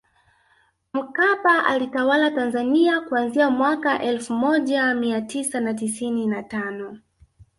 Mkapa aliitawala Tanzania kuanzia mwaka elfu moja mia tisa na tisini na tano